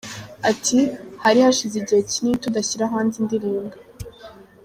Ati “Hari hashize igihe kinini tudashyira hanze indirimbo.